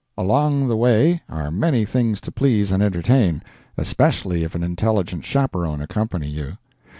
Along the way are many things to please and entertain, especially if an intelligent chaperon accompany you.